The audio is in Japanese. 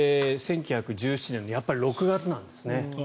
１９１７年のやっぱり６月なんですね。